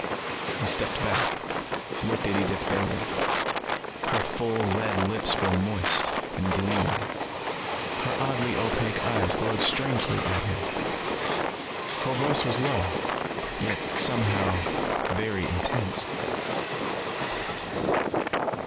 He stepped back, looked at Edith Bailey. Her full red lips were moist and gleaming. Her oddly opaque eyes glowed strangely at him. Her voice was low, yet somehow, very intense.